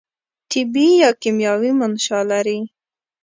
طبي یا کیمیاوي منشأ لري.